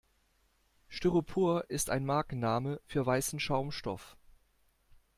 Styropor ist ein Markenname für weißen Schaumstoff.